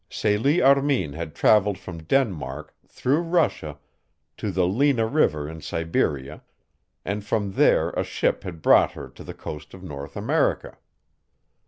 Celie Armin had traveled from Denmark through Russia to the Lena River in Siberia, and from there a ship had brought her to the coast of North America.